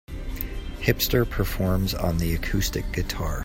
Hipster performs on the acoustic guitar.